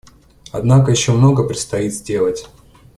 Однако еще многое предстоит сделать.